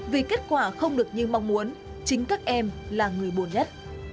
vì kết quả không được như mong muốn chính các em là người buồn nhất